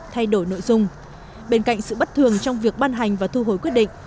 thay đổi nội dung bên cạnh sự bất thường trong việc ban hành và thu hồi quyết định